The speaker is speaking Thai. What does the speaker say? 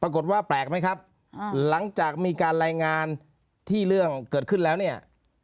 ปรากฏว่าแปลกไหมครับหลังจากมีการรายงานที่เรื่องเกิดขึ้นแล้วเนี่ย